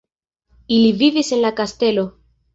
Ili vivis en la kastelo.